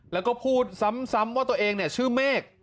แล้วก็พูดซ้ำว่าตัวเองเนี่ยชื่อเมฆ